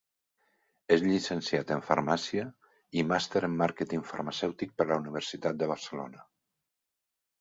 És llicenciat en Farmàcia i màster en màrqueting farmacèutic per la Universitat de Barcelona.